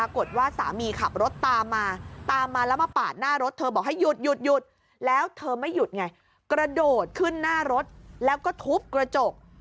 กระโดดขึ้นหน้ารถแล้วก็ทุบกระจก